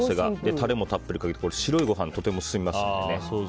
タレもたっぷりかけて白いご飯がとても進みますのでね。